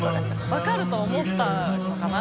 分かると思ったのかな？